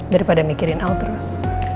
daripada mikirin altruis